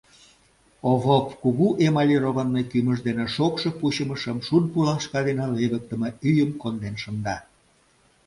Овоп кугу эмалированный кӱмыж дене шокшо пучымышым, шун пулашка дене левыктыме ӱйым конден шында.